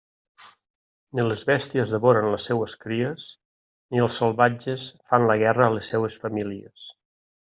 Ni les bèsties devoren les seues cries, ni els salvatges fan la guerra a les seues famílies.